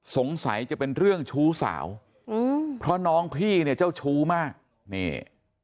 สงสัยจะเป็นเรื่องชู้สาวอืมเพราะน้องพี่เนี่ยเจ้าชู้มากนี่